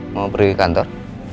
mau pergi kantor